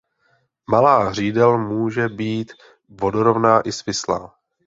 Malá hřídel může být vodorovná i svislá.